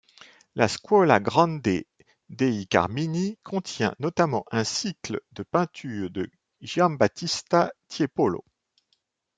La Scuola Grande dei Carmini contient notamment un cycle de peintures de Giambattista Tiepolo.